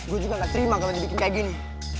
gue juga gak terima kalau dibikin kayak gini